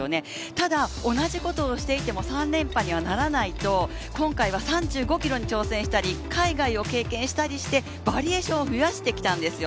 ただ、同じことをしていても３連覇にはならないと今回は３５ｋｍに挑戦したり海外を経験したりしてバリエーションを増やしてきたんですよ。